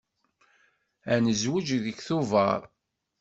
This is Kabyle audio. Ad nezweǧ deg Tubeṛ.